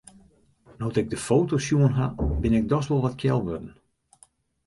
No't ik de foto's sjoen ha, bin ik dochs wol wat kjel wurden.